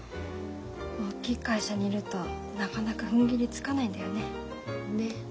大きい会社にいるとなかなかふんぎりつかないんだよね。ね。